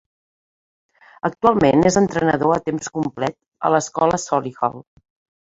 Actualment és entrenador a temps complet a l'Escola Solihull.